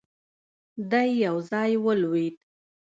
دی يو ځای ولوېد.